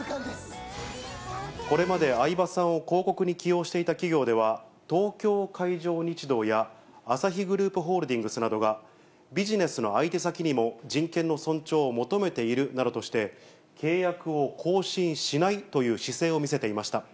これまで相葉さんを広告に起用していた企業では、東京海上日動やアサヒグループホールディングスなどが、ビジネスの相手先にも人権の尊重を求めているなどとして、契約を更新しないという姿勢を見せていました。